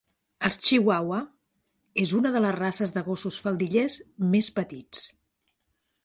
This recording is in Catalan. Els Chihuahua és una de les races de gossos faldillers més petits.